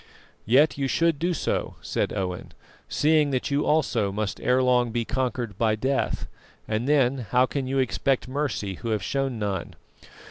"Yet you should do so," said Owen, "seeing that you also must ere long be conquered by death, and then how can you expect mercy who have shown none?"